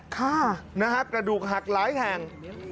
ค่ะนะฮะกระดูกหักหลายแห่ง